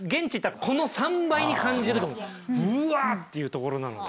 ぶわというところなので。